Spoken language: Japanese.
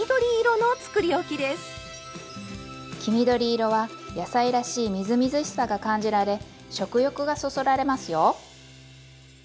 黄緑色は野菜らしいみずみずしさが感じられ食欲がそそられますよ！